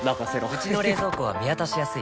うちの冷蔵庫は見渡しやすい